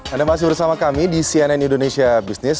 anda masih bersama kami di cnn indonesia business